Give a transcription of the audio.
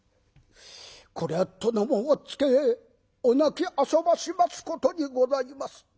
「これは殿もおっつけお泣きあそばしますことにございます」。